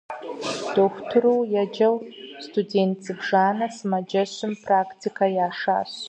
Дохутыру еджэу студент зыбжанэ сымаджэщым практикэ яшащ.